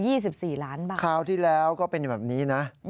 ยี่สิบสี่ล้านบาทคราวที่แล้วก็เป็นแบบนี้นะ